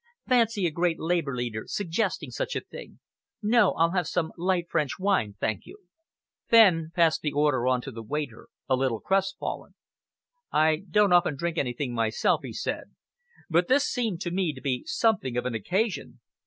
"Fancy a great Labour leader suggesting such a thing! No, I'll have some light French wine, thank you." Fenn passed the order on to the waiter, a little crestfallen. "I don't often drink anything myself," he said, "but this seemed to me to be something of an occasion."